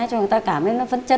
cho người ta cảm thấy phấn chấn